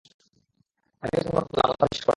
আমিও ইসলাম গ্রহণ করলাম ও তা বিশ্বাস করলাম।